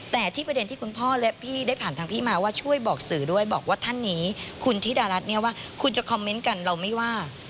แต่ที่ประเด็นที่คุณพ่อและพี่ได้ผ่านทางพี่มาว่าช่วยบอกสื่อด้วยบอกว่าท่านนี้คุณธิดารัฐเนี่ยว่าคุณจะคอมเมนต์กันเราไม่ว่า